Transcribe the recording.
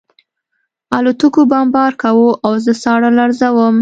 الوتکو بمبار کاوه او زه ساړه لړزولم